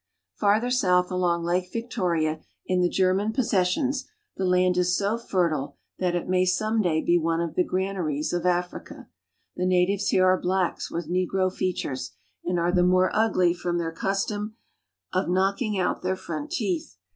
Farther south along Lake Victoria in the German pos sessions the land is so fertile that it may some day be one of the granaries of Africa. The natives here are blacks with negro features, and are the more ugly from their custom of k||«cking out their front teeth.